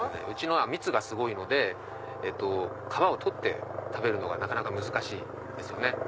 うちのは蜜がすごいので皮を取って食べるのがなかなか難しいんですよね。